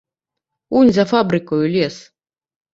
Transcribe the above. Унь за фабрыкаю лес.